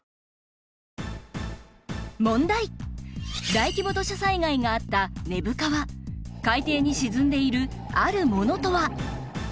大規模土砂災害があった根府川海底に沈んでいるあるものとは？